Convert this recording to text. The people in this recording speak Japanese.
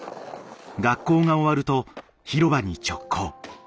学校が終わると広場に直行。